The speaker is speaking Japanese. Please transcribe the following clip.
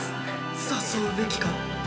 誘うべきか？